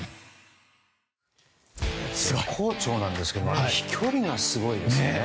絶好調ですが飛距離もすごいですね。